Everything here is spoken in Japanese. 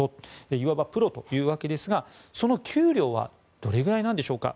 いわばプロというわけですがその給料はどれぐらいなんでしょうか。